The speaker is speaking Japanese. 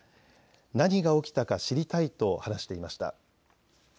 何が起きたか知りたいと話していました。